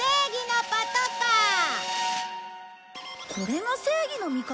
これが正義の味方？